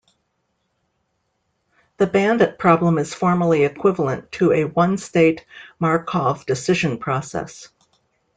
The bandit problem is formally equivalent to a one-state Markov decision process.